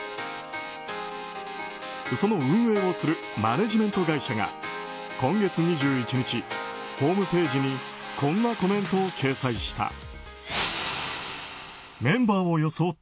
その運営をするマネジメント会社が今月２１日、ホームページにこんなコメントを掲載した。